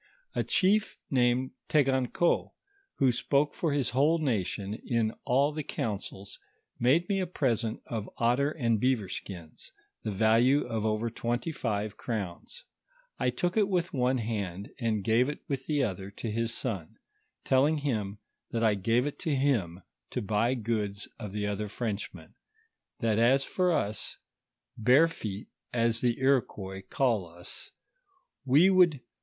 A chief named Teganeot, who spoke for his whole nation in all the councils, made me a present of otter and beavor ekins, to the value of over twenty five crowns. I took it with one hand, and gave it with the other to his son, telling him that I gave it to him to buy goods of the other Frenchmen ; that as for us, Barefoot, as the Iroquois called us, we would DISCOVERIES IN THE MISSISSIPPI VALLKT.